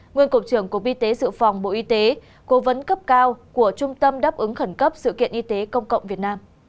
nguyên cục trưởng cục y tế dự phòng bộ y tế cố vấn cấp cao của trung tâm đáp ứng khẩn cấp sự kiện y tế công cộng việt nam